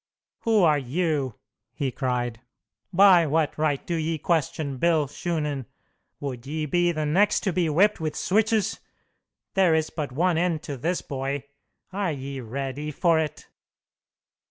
"Who are you?" he cried. "By what right do ye question Bill Shunan? Would ye be the next to be whipped with switches? There is but one end to this, boy! Are ye ready for it?"